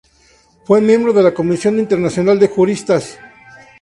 Fue miembro de la Comisión Internacional de Juristas.